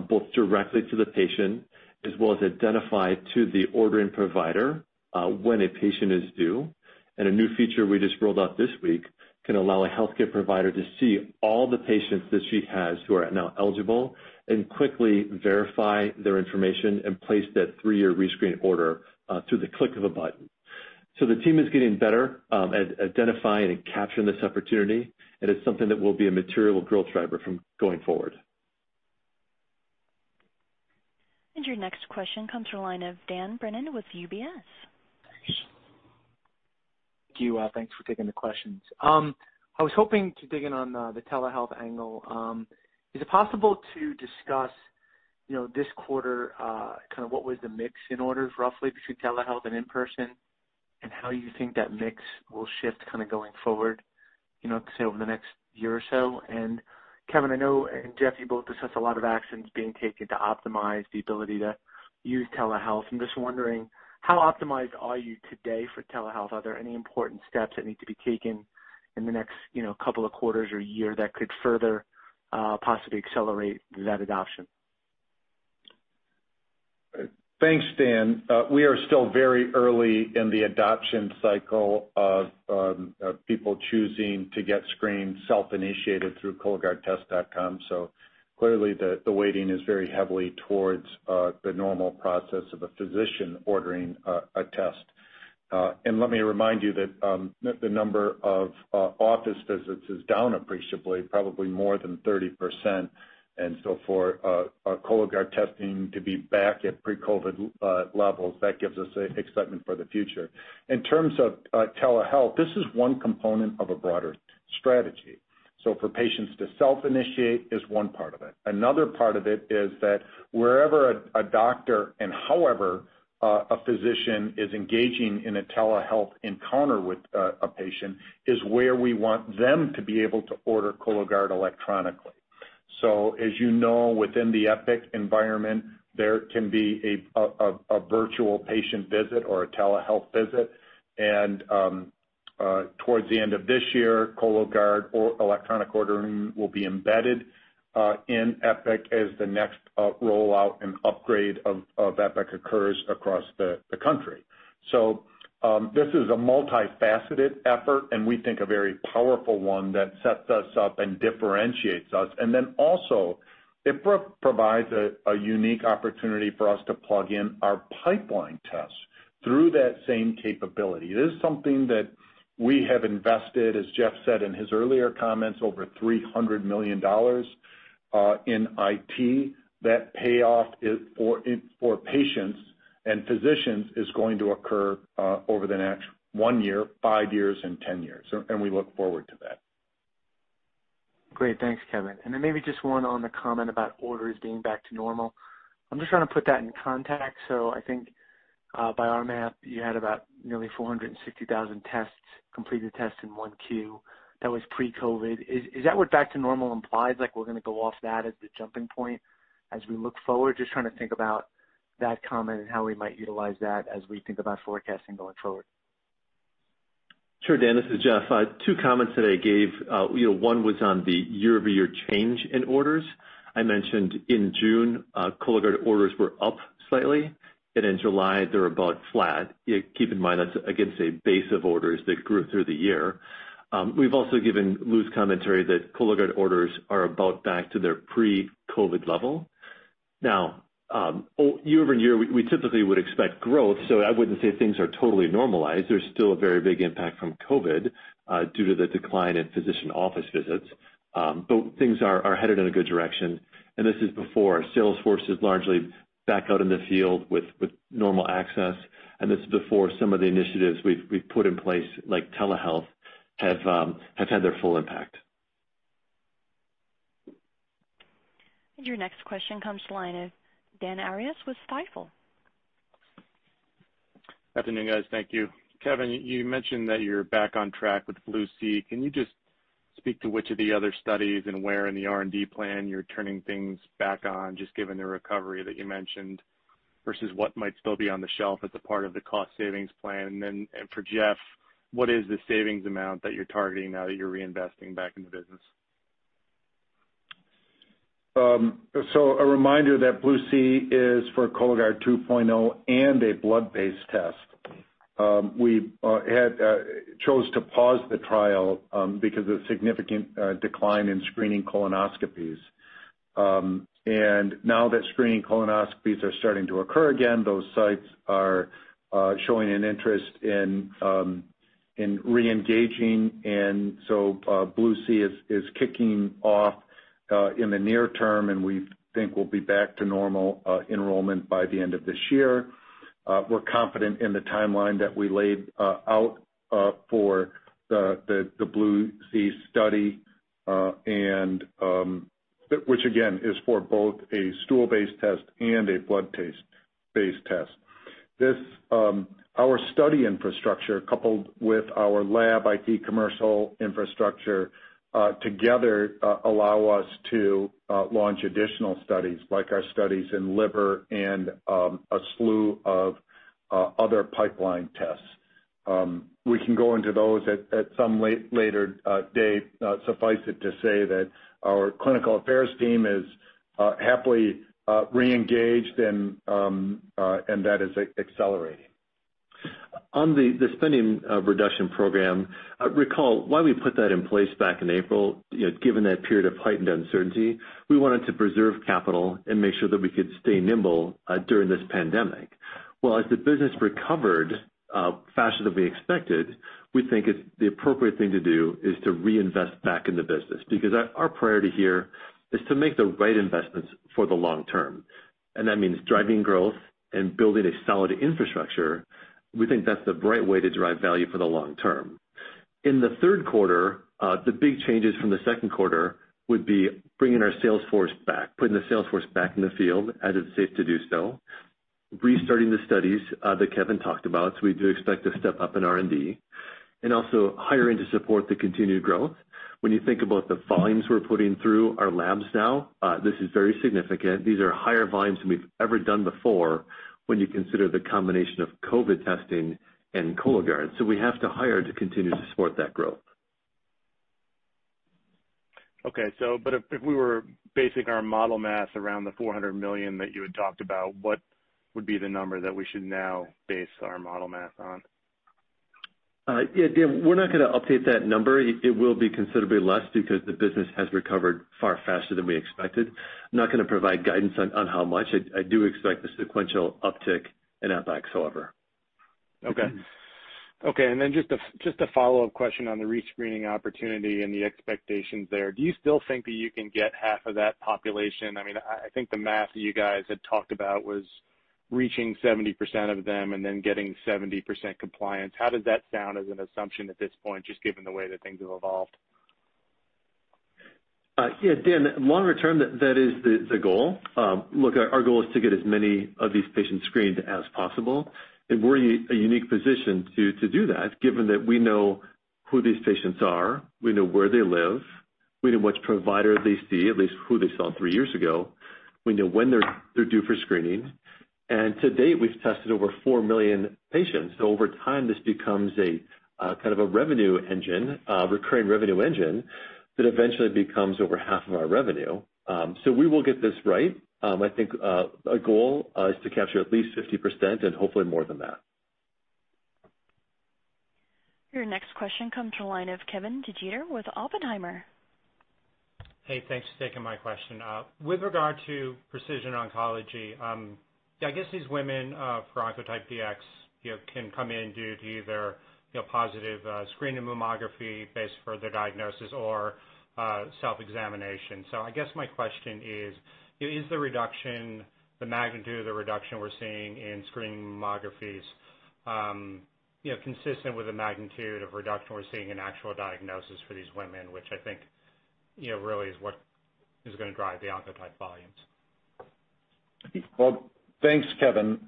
both directly to the patient, as well as identify to the ordering provider when a patient is due. A new feature we just rolled out this week can allow a healthcare provider to see all the patients that she has who are now eligible and quickly verify their information and place that three-year rescreen order through the click of a button. The team is getting better at identifying and capturing this opportunity, and it's something that will be a material growth driver from going forward. Your next question comes from the line of Dan Brennan with UBS. Thank you. Thanks for taking the questions. I was hoping to dig in on the telehealth angle. Is it possible to discuss this quarter, what was the mix in orders roughly between telehealth and in-person, and how you think that mix will shift going forward, say, over the next year or so? Kevin, I know, and Jeff, you both discussed a lot of actions being taken to optimize the ability to use telehealth. I'm just wondering, how optimized are you today for telehealth? Are there any important steps that need to be taken in the next couple of quarters or year that could further possibly accelerate that adoption? Thanks, Dan. We are still very early in the adoption cycle of people choosing to get screened self-initiated through cologuardtest.com. Clearly the weighting is very heavily towards the normal process of a physician ordering a test. Let me remind you that the number of office visits is down appreciably, probably more than 30%. For Cologuard testing to be back at pre-COVID levels, that gives us excitement for the future. In terms of telehealth, this is one component of a broader strategy. For patients to self-initiate is one part of it. Another part of it is that wherever a doctor and however a physician is engaging in a telehealth encounter with a patient is where we want them to be able to order Cologuard electronically. As you know, within the Epic environment, there can be a virtual patient visit or a telehealth visit. Towards the end of this year, Cologuard electronic ordering will be embedded in Epic as the next rollout and upgrade of Epic occurs across the country. This is a multifaceted effort, and we think a very powerful one that sets us up and differentiates us. It provides a unique opportunity for us to plug in our pipeline tests through that same capability. It is something that we have invested, as Jeff said in his earlier comments, over $300 million in IT. That payoff for patients and physicians is going to occur over the next one year, five years, and 10 years, and we look forward to that. Great. Thanks, Kevin. Maybe just one on the comment about orders being back to normal. I'm just trying to put that in context. I think by our math, you had about nearly 460,000 tests, completed tests in 1Q. That was pre-COVID. Is that what back to normal implies? Like we're going to go off that as the jumping point as we look forward? Just trying to think about that comment and how we might utilize that as we think about forecasting going forward. Sure, Dan. This is Jeff. Two comments that I gave. One was on the year-over-year change in orders. I mentioned in June, Cologuard orders were up slightly, in July, they're about flat. Keep in mind, that's against a base of orders that grew through the year. We've also given loose commentary that Cologuard orders are about back to their pre-COVID level. Year-over-year, we typically would expect growth, I wouldn't say things are totally normalized. There's still a very big impact from COVID due to the decline in physician office visits. Things are headed in a good direction, this is before our sales force is largely back out in the field with normal access, this is before some of the initiatives we've put in place, like telehealth, have had their full impact. Your next question comes to the line of Dan Arias with Stifel. Good afternoon, guys. Thank you. Kevin, you mentioned that you're back on track with BLUE-C. Can you just speak to which of the other studies and where in the R&D plan you're turning things back on, just given the recovery that you mentioned, versus what might still be on the shelf as a part of the cost savings plan? For Jeff, what is the savings amount that you're targeting now that you're reinvesting back in the business? A reminder that BLUE-C is for Cologuard 2.0 and a blood-based test. We chose to pause the trial because of significant decline in screening colonoscopies. Now that screening colonoscopies are starting to occur again, those sites are showing an interest in reengaging. BLUE-C is kicking off in the near term, and we think we'll be back to normal enrollment by the end of this year. We're confident in the timeline that we laid out for the BLUE-C study, which again, is for both a stool-based test and a blood-based test. Our study infrastructure, coupled with our lab IT commercial infrastructure, together allow us to launch additional studies, like our studies in liver and a slew of other pipeline tests. We can go into those at some later date. Suffice it to say that our clinical affairs team is happily reengaged, and that is accelerating. On the spending reduction program, recall why we put that in place back in April, given that period of heightened uncertainty. We wanted to preserve capital and make sure that we could stay nimble during this pandemic. Well, as the business recovered faster than we expected, we think the appropriate thing to do is to reinvest back in the business. Because our priority here is to make the right investments for the long-term, and that means driving growth and building a solid infrastructure. We think that's the right way to drive value for the long-term. In the third quarter, the big changes from the second quarter would be bringing our sales force back, putting the sales force back in the field as it's safe to do so, restarting the studies that Kevin talked about. We do expect to step up in R&D, and also hiring to support the continued growth. When you think about the volumes we're putting through our labs now, this is very significant. These are higher volumes than we've ever done before when you consider the combination of COVID testing and Cologuard. We have to hire to continue to support that growth. Okay. If we were basing our model math around the $400 million that you had talked about, what would be the number that we should now base our model math on? Yeah, Dan, we're not going to update that number. It will be considerably less because the business has recovered far faster than we expected. I'm not going to provide guidance on how much. I do expect a sequential uptick in OpEx, however. Okay. Just a follow-up question on the rescreening opportunity and the expectations there. Do you still think that you can get half of that population? I think the math that you guys had talked about was reaching 70% of them and then getting 70% compliance. How does that sound as an assumption at this point, just given the way that things have evolved? Dan, longer term, that is the goal. Look, our goal is to get as many of these patients screened as possible, and we're in a unique position to do that, given that we know who these patients are. We know where they live. We know which provider they see, at least who they saw three years ago. We know when they're due for screening. To date, we've tested over 4 million patients. Over time, this becomes a kind of a recurring revenue engine that eventually becomes over half of our revenue. We will get this right. I think our goal is to capture at least 50% and hopefully more than that. Your next question comes from the line of Kevin DeGeeter with Oppenheimer. Thanks for taking my question. With regard to precision oncology, I guess these women for Oncotype DX can come in due to either positive screen and mammography based further diagnosis or self-examination. I guess my question is the magnitude of the reduction we're seeing in screening mammographies consistent with the magnitude of reduction we're seeing in actual diagnosis for these women, which I think really is what is going to drive the Oncotype volumes? Well, thanks, Kevin.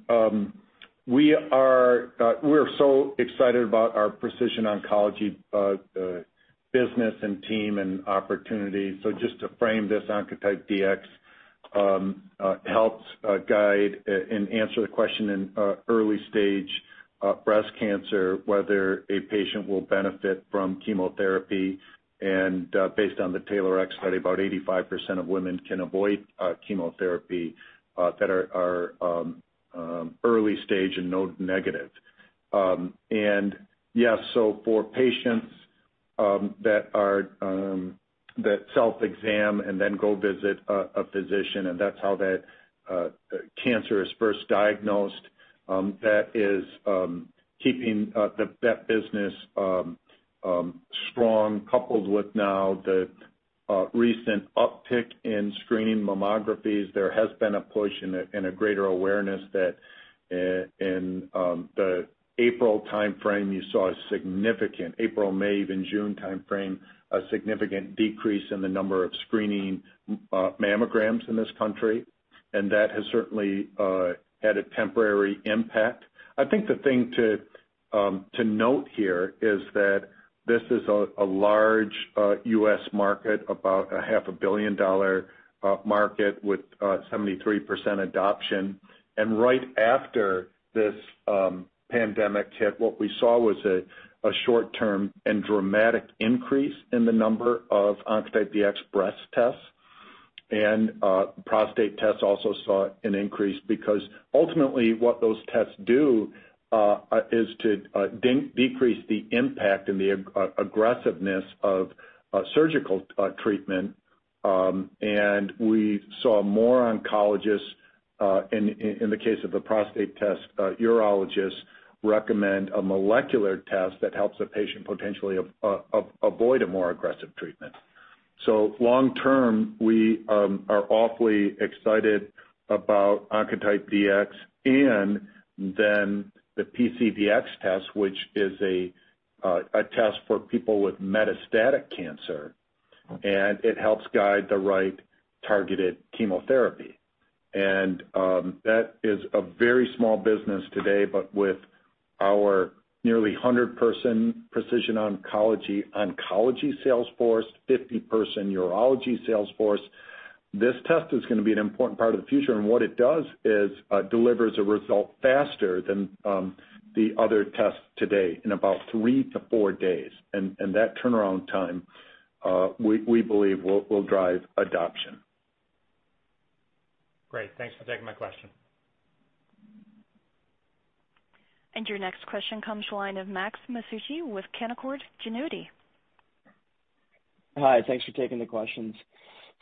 We're so excited about our precision oncology business and team and opportunity. Just to frame this, Oncotype DX helps guide and answer the question in early-stage breast cancer, whether a patient will benefit from chemotherapy. Based on the TAILORx study, about 85% of women can avoid chemotherapy that are early stage and node-negative. For patients that self-exam and then go visit a physician, and that's how that cancer is first diagnosed, that is keeping that business strong, coupled with now the recent uptick in screening mammographies. There has been a push and a greater awareness that in the April, May, even June timeframe, a significant decrease in the number of screening mammograms in this country, and that has certainly had a temporary impact. I think the thing to note here is that this is a large U.S. market, about a half a billion-dollar market with 73% adoption. Right after this pandemic hit, what we saw was a short-term and dramatic increase in the number of Oncotype DX breast tests, and prostate tests also saw an increase, because ultimately what those tests do is to decrease the impact and the aggressiveness of surgical treatment. We saw more oncologists, in the case of the prostate test, urologists recommend a molecular test that helps a patient potentially avoid a more aggressive treatment. Long term, we are awfully excited about Oncotype DX and then the PCDx test, which is a test for people with metastatic cancer, and it helps guide the right targeted chemotherapy. That is a very small business today, but with our nearly 100-person precision oncology sales force, 50-person urology sales force, this test is going to be an important part of the future. What it does is delivers a result faster than the other tests today in about three to four days. That turnaround time, we believe, will drive adoption. Great. Thanks for taking my question. Your next question comes the line of Max Masucci with Canaccord Genuity. Hi, thanks for taking the questions.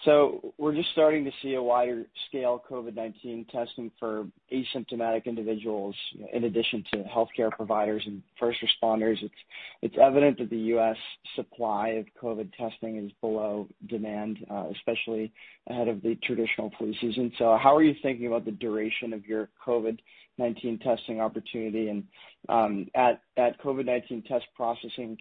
We're just starting to see a wider scale COVID-19 testing for asymptomatic individuals in addition to healthcare providers and first responders. It's evident that the U.S. supply of COVID testing is below demand, especially ahead of the traditional flu season. How are you thinking about the duration of your COVID-19 testing opportunity? At COVID-19 test processing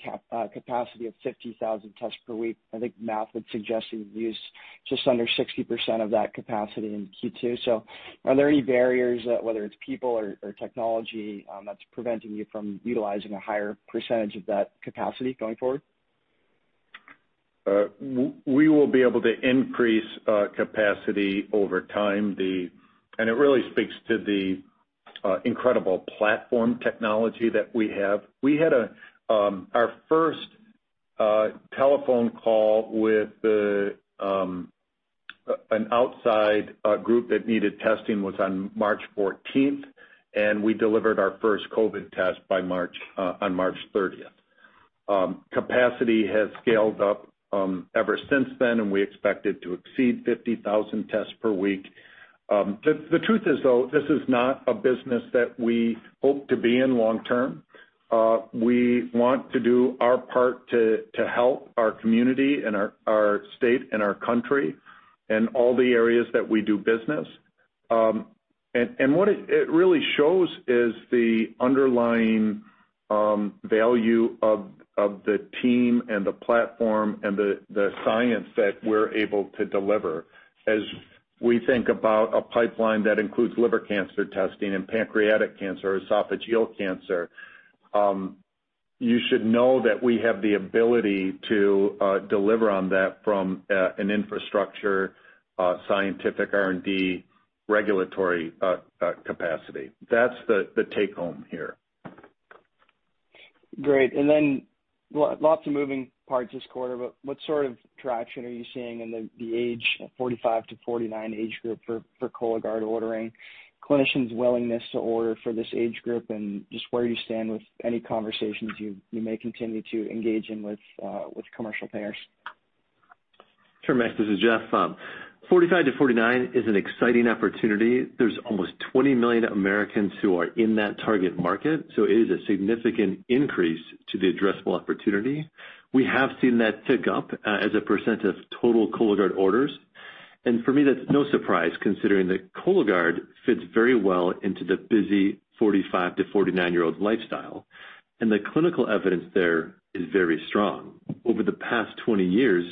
capacity of 50,000 tests per week, I think math would suggest you've used just under 60% of that capacity in Q2. Are there any barriers, whether it's people or technology, that's preventing you from utilizing a higher percentage of that capacity going forward? We will be able to increase capacity over time. It really speaks to the incredible platform technology that we have. Our first telephone call with an outside group that needed testing was on March 14th, and we delivered our first COVID test on March 30th. Capacity has scaled up ever since then, and we expect it to exceed 50,000 tests per week. The truth is, though, this is not a business that we hope to be in long term. We want to do our part to help our community and our state and our country and all the areas that we do business. What it really shows is the underlying value of the team and the platform and the science that we're able to deliver. As we think about a pipeline that includes liver cancer testing and pancreatic cancer, esophageal cancer, you should know that we have the ability to deliver on that from an infrastructure, scientific R&D, regulatory capacity. That's the take-home here. Great. Lots of moving parts this quarter, but what sort of traction are you seeing in the age 45 to 49 age group for Cologuard ordering, clinicians' willingness to order for this age group, and just where you stand with any conversations you may continue to engage in with commercial payers? Max. This is Jeff. 45 to 49 is an exciting opportunity. There's almost 20 million Americans who are in that target market. It is a significant increase to the addressable opportunity. We have seen that tick up as a percent of total Cologuard orders. For me, that's no surprise considering that Cologuard fits very well into the busy 45 to 49-year-old lifestyle. The clinical evidence there is very strong. Over the past 20 years,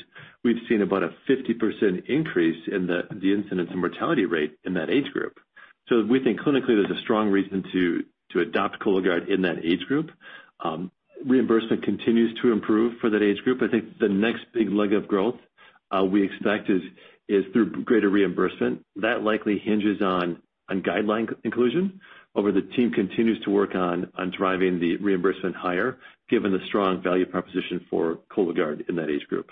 we've seen about a 50% increase in the incidence of mortality rate in that age group. We think clinically there's a strong reason to adopt Cologuard in that age group. Reimbursement continues to improve for that age group. I think the next big leg of growth we expect is through greater reimbursement. That likely hinges on guideline inclusion. However, the team continues to work on driving the reimbursement higher given the strong value proposition for Cologuard in that age group.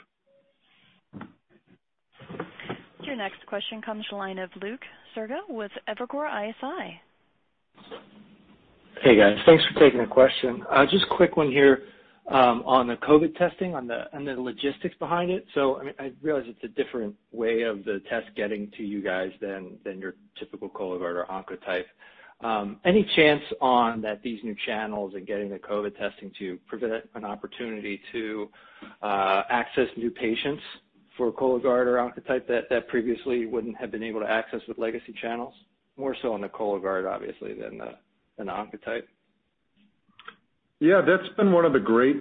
Your next question comes the line of Luke Sergott with Evercore ISI. Hey, guys. Thanks for taking the question. Just a quick one here on the COVID testing, on the logistics behind it. I realize it's a different way of the test getting to you guys than your typical Cologuard or Oncotype. Any chance on that these new channels are getting the COVID testing to present an opportunity to access new patients for Cologuard or Oncotype that previously wouldn't have been able to access with legacy channels? More so on the Cologuard, obviously, than the Oncotype. Yeah, that's been one of the great.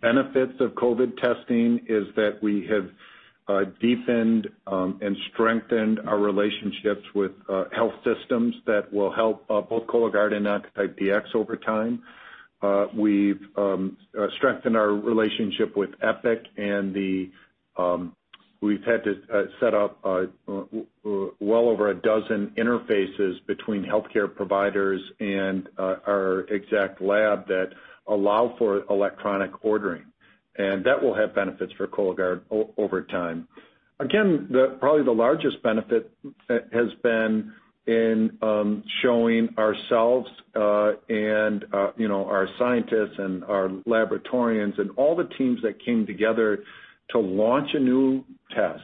Benefits of COVID testing is that we have deepened and strengthened our relationships with health systems that will help both Cologuard and Oncotype DX over time. We've strengthened our relationship with Epic and we've had to set up well over 12 interfaces between healthcare providers and our Exact lab that allow for electronic ordering, and that will have benefits for Cologuard over time. Probably the largest benefit has been in showing ourselves and our scientists and our laboratorians and all the teams that came together to launch a new test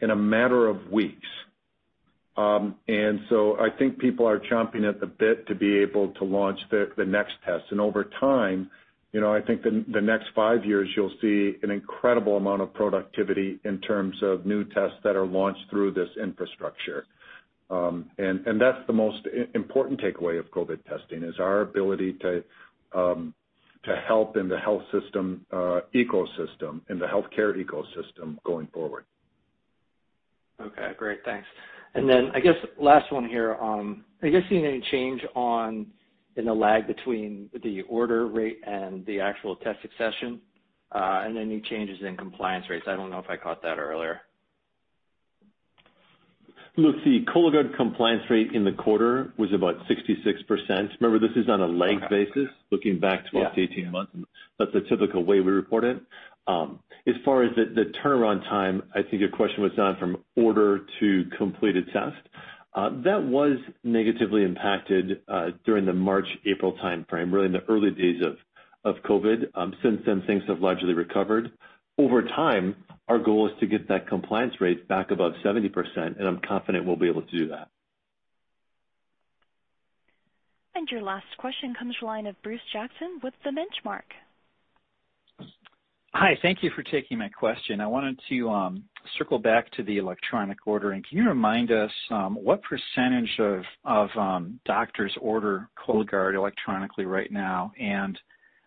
in a matter of weeks. I think people are chomping at the bit to be able to launch the next test. Over time, I think the next five years, you'll see an incredible amount of productivity in terms of new tests that are launched through this infrastructure. That's the most important takeaway of COVID testing, is our ability to help in the health system ecosystem, in the healthcare ecosystem going forward. Okay, great. Thanks. Then I guess last one here. Are you guys seeing any change in the lag between the order rate and the actual test submission? Any changes in compliance rates? I don't know if I caught that earlier. Look, the Cologuard compliance rate in the quarter was about 66%. Remember, this is on a lag basis. Okay Looking back 12 to 18 months. That's the typical way we report it. As far as the turnaround time, I think your question was on from order to completed test. That was negatively impacted during the March, April timeframe, really in the early days of COVID-19. Since then, things have largely recovered. Over time, our goal is to get that compliance rate back above 70%, and I'm confident we'll be able to do that. Your last question comes to the line of Bruce Jackson with The Benchmark. Hi. Thank you for taking my question. I wanted to circle back to the electronic ordering. Can you remind us what percentage of doctors order Cologuard electronically right now?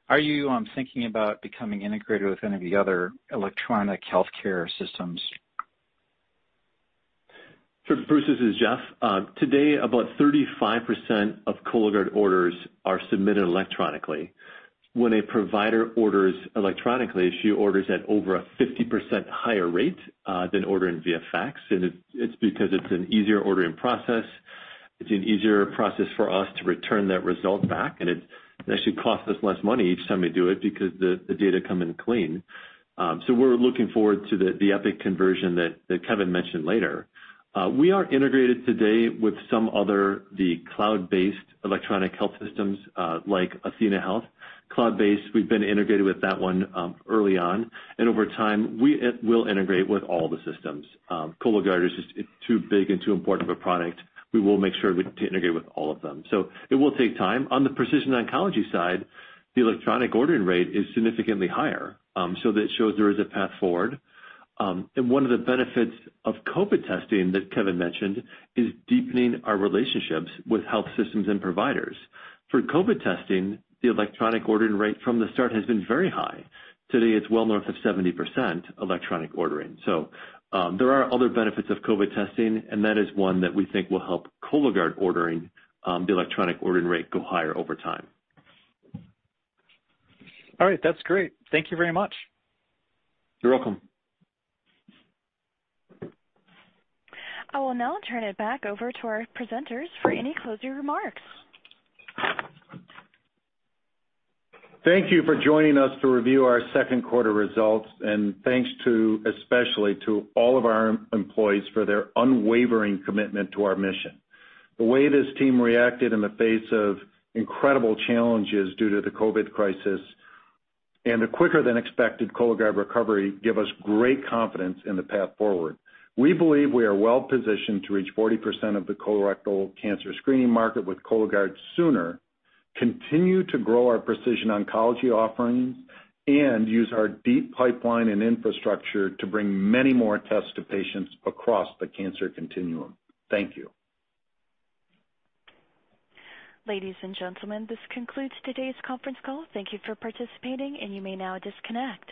Are you thinking about becoming integrated with any of the other electronic healthcare systems? Sure, Bruce, this is Jeff. Today, about 35% of Cologuard orders are submitted electronically. When a provider orders electronically, she orders at over a 50% higher rate than ordering via fax. It's because it's an easier ordering process. It's an easier process for us to return that result back, and it actually costs us less money each time we do it because the data come in clean. We're looking forward to the Epic conversion that Kevin mentioned later. We are integrated today with the cloud-based electronic health systems, like athenahealth. Cloud-based, we've been integrated with that one early on, and over time, we'll integrate with all the systems. Cologuard is too big and too important of a product. We will make sure we integrate with all of them. It will take time. On the precision oncology side, the electronic ordering rate is significantly higher, that shows there is a path forward. One of the benefits of COVID testing that Kevin mentioned is deepening our relationships with health systems and providers. For COVID testing, the electronic ordering rate from the start has been very high. Today, it's well north of 70% electronic ordering. There are other benefits of COVID testing, and that is one that we think will help Cologuard ordering, the electronic ordering rate go higher over time. All right. That's great. Thank you very much. You're welcome. I will now turn it back over to our presenters for any closing remarks. Thank you for joining us to review our second quarter results, and thanks especially to all of our employees for their unwavering commitment to our mission. The way this team reacted in the face of incredible challenges due to the COVID-19 crisis and a quicker than expected Cologuard recovery give us great confidence in the path forward. We believe we are well-positioned to reach 40% of the colorectal cancer screening market with Cologuard sooner, continue to grow our precision oncology offerings, and use our deep pipeline and infrastructure to bring many more tests to patients across the cancer continuum. Thank you. Ladies and gentlemen, this concludes today's conference call. Thank you for participating, and you may now disconnect.